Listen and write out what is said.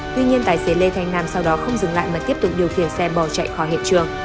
tuy nhiên tài xế lê thanh nam sau đó không dừng lại mà tiếp tục điều khiển xe bỏ chạy khỏi hiện trường